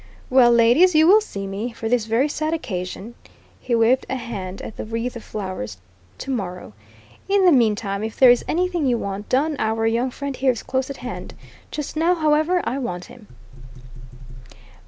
Well, ladies, you will see me, for this very sad occasion" he waved a hand at the wreath of flowers "tomorrow. In the meantime, if there is anything you want done, our young friend here is close at hand. Just now, however, I want him."